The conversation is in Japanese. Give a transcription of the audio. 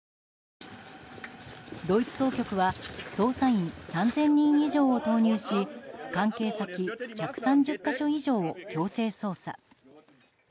ドイツ当局は捜査員３０００人以上を投入し関係先１３０か所以上を強制捜査。